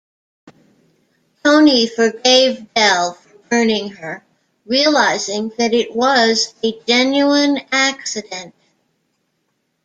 Toni forgave Del for burning her - realising that it was a genuine accident.